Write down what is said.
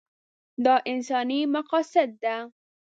دا انساني مقاصد ده.